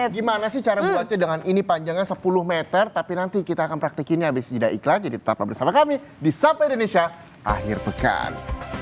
gimana sih cara buatnya dengan ini panjangnya sepuluh meter tapi nanti kita akan praktikinnya habis jeda iklan jadi tetaplah bersama kami di sapa indonesia akhir pekan